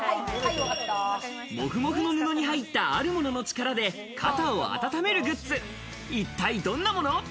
モフモフの布に入ったあるものの力で肩を温めるグッズ、一体どんなもの？